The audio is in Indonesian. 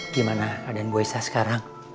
gimana keadaan bu aisyah sekarang